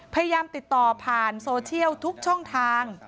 พยายามติดต่อผ่านโซเชียลทุกช่องทาง